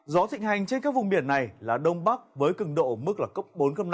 gió thịnh hành trên các vùng biển này là đông bắc với cường độ mức là cốc bốn trăm linh năm